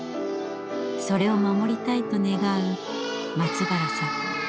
それを守りたいと願う松原さん。